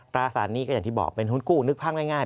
ตราสารนี้ก็อย่างที่บอกเป็นหุ้นกู้นึกภาพง่าย